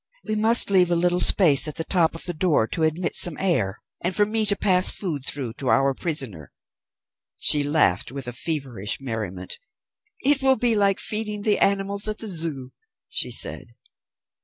We must leave a little space at the top of the door to admit some air, and for me to pass food through to our prisoner." She laughed with a feverish merriment. "It will be like feeding the animals at the Zoo," she said.